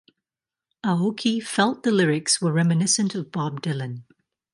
Aoki felt the lyrics were reminiscent of Bob Dylan.